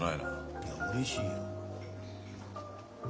いやうれしいよ。